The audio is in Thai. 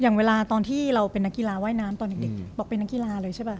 อย่างเวลาตอนที่เราเป็นนักกีฬาว่ายน้ำตอนเด็กบอกเป็นนักกีฬาเลยใช่ป่ะ